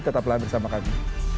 tetaplah bersama kami